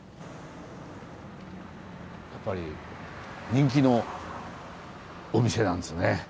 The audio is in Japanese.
やっぱり人気のお店なんですね。